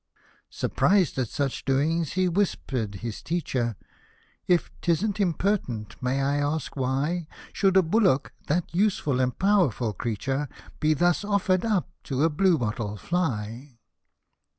Surprised at such doings, he whispered his teacher —" If 'tisn't impertinent, may I ask why Should a Bullock, that useful and powerful creature. Be thus offered up to a blue bottle Fly